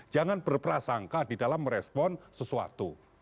jangan berprasangka di dalam merespon sesuatu